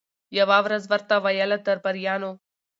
یوه ورځ ورته ویله درباریانو